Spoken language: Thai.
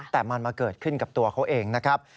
แต่มันมาเกิดขึ้นกับตัวเขาเองนะครับ